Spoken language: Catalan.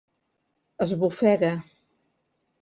Esbufega.